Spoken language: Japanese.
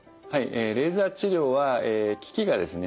えレーザー治療は機器がですね